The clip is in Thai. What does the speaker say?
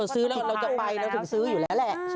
เราจะไปแล้วถึงซื้ออยู่แล้ว